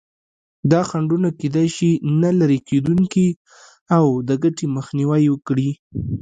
دا خنډونه کېدای شي نه لرې کېدونکي او د ګټې مخنیوی وکړي.